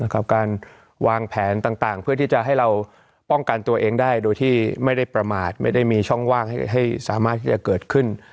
การวางแผนต่างเพื่อที่จะให้เราป้องกันตัวเองได้โดยที่ไม่ได้ประมาทไม่ได้มีช่องว่างให้สามารถที่จะเกิดขึ้น